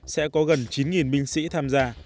sẽ có gần chín binh sĩ tham gia